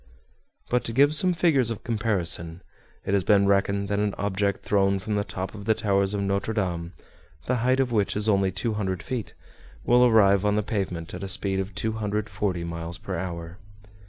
But to give some figures of comparison, it has been reckoned that an object thrown from the top of the towers of Notre Dame, the height of which is only 200 feet, will arrive on the pavement at a speed of 240 miles per hour.